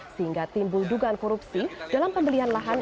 sehingga timbul dugaan korupsi dalam pembelian lahan